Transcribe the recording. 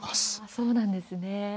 そうなんですね。